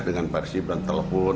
dengan persib dan telepon